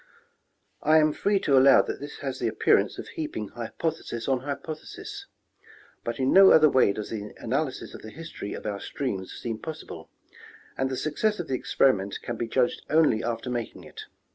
I am free to allow that this has the appearance of heaping hypothesis on hypothesis ; but in no other way does the analysis of the history of our streams seem possible, and the success of the experiment can be judged only after making it.